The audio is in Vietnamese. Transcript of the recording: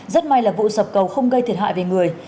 rất may là vụ sập cầu không gây thiệt hại về người